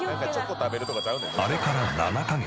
あれから７カ月。